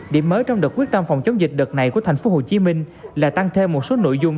điểm mới trong đợt quyết tâm phòng chống dịch đợt này của tp hcm là tăng thêm một số nội dung